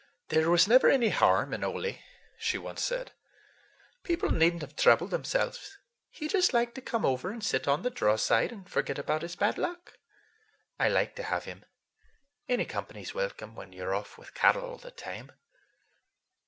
"There was never any harm in Ole," she said once. "People need n't have troubled themselves. He just liked to come over and sit on the draw side and forget about his bad luck. I liked to have him. Any company's welcome when you're off with cattle all the time."